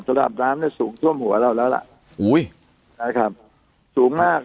สลับน้ำเนี่ยสูงทั่วมหัวเราแล้วล่ะเหรอไหมอโอ้ยครับสูงน่าก